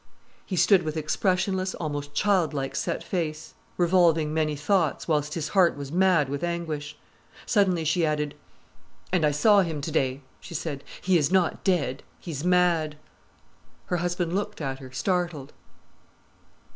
He stood with expressionless, almost childlike set face, revolving many thoughts, whilst his heart was mad with anguish. Suddenly she added: "And I saw him today," she said. "He is not dead, he's mad." Her husband looked at her, startled.